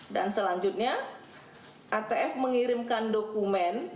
dan selanjutnya atf mengirimkan dokumen